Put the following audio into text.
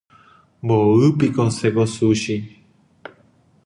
Mboýpiko osẽ ko sushi.